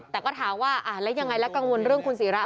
แต่ก็ถามว่าแล้วยังไงแล้วกังวลเรื่องคุณศิระ